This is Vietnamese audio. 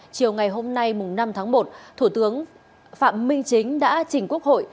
chiều ngày hôm nay năm tháng một thủ tướng phạm minh chính đã trình quốc hội